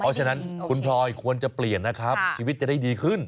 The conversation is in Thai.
เพราะฉะนั้นคุณพลอยควรจะเปลี่ยนนะครับชีวิตจะได้ดีขึ้น